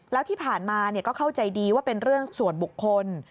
แล้วที่ผ่านมาก็เข้าใจดีว่าเป็นเรื่องส่วนบุคคล